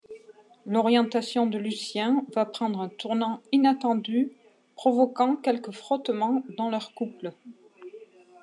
L’orientation de Lucien va prendre un tournant inattendu provoquant quelques frottements dans leur couple.